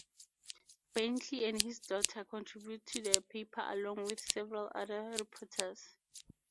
Bentley and his daughter contribute to the paper along with several other reporters.